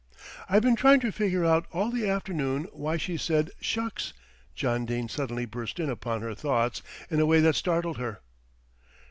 "I've been trying to figure out all the afternoon why she said 'shucks,'" John Dene suddenly burst in upon her thoughts in a way that startled her.